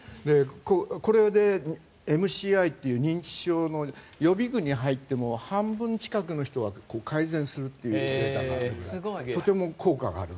これでＭＣＩという認知症の予備軍に入っても半分近くの人は改善するというデータがあってとても効果がある。